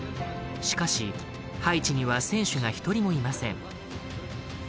しかし、ハイチには選手が１人もいません。